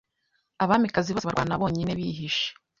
Abamikazi bose barwana bonyine bihishe